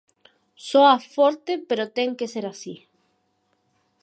Soa forte, pero ten que ser así.